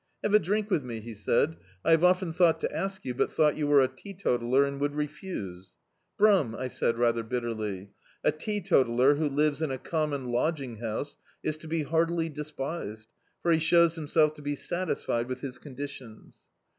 "Have a drink with me," he said, "I have often thought to ask you, but thou^t you were a teetotaller and would refuse." " 'Brumm,* " I said, rather bitterly, "a teetotaller who lives in a common lod^ng house is to be heartily despised, for he shows himself to be satisfied with his conditions."